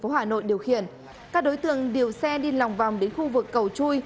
hà nội điều khiển các đối tượng điều xe đi lòng vòng đến khu vực cầu chui